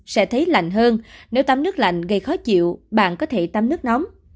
sẽ thấy lạnh hơn nếu tắm nước lạnh gây khó chịu bạn có thể tắm nước nóng